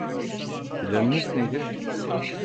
Planınız nedir?